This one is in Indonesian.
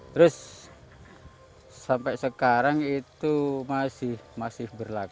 terus sampai sekarang itu masih berlaku